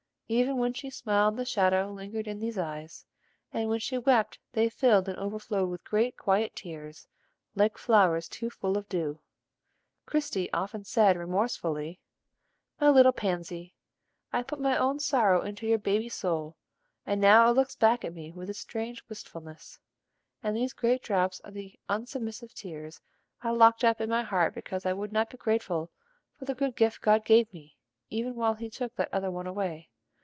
Even when she smiled the shadow lingered in these eyes, and when she wept they filled and overflowed with great, quiet tears like flowers too full of dew. Christie often said remorsefully: "My little Pansy! I put my own sorrow into your baby soul, and now it looks back at me with this strange wistfulness, and these great drops are the unsubmissive tears I locked up in my heart because I would not be grateful for the good gift God gave me, even while he took that other one away.